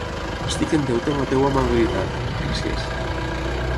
Estic en deute amb la teva amabilitat, gràcies!